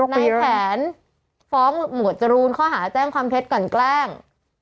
ในแผนฟ้องหมวดจรูนข้อหาแจ้งความเท็จกันแกล้ง